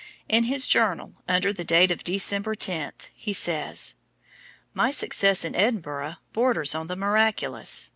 In his journal under date of December 10, he says: "My success in Edinburgh borders on the miraculous.